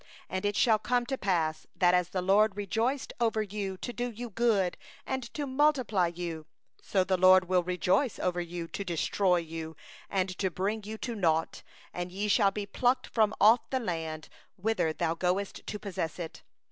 63And it shall come to pass, that as the LORD rejoiced over you to do you good, and to multiply you; so the LORD will rejoice over you to cause you to perish, and to destroy you; and ye shall be plucked from off the land whither thou goest in to possess it.